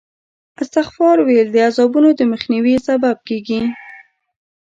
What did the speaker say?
استغفار ویل د عذابونو د مخنیوي سبب کېږي.